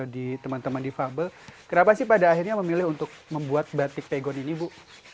di teman teman difabel kenapa sih pada akhirnya memilih untuk membuat batik pegon ini bu